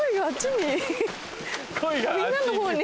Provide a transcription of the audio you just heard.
みんなのほうに。